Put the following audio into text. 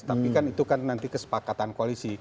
tapi kan itu kan nanti kesepakatan koalisi